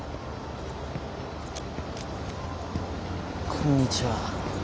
こんにちは。